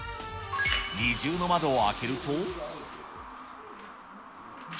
二重の窓を開けると。